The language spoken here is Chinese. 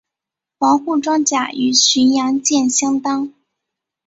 防护装甲与巡洋舰相当。